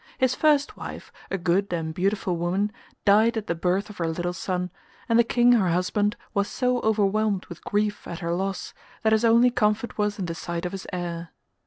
His first wife, a good and beautiful woman, died at the birth of her little son, and the King her husband was so overwhelmed with grief at her loss that his only comfort was in the sight of his heir.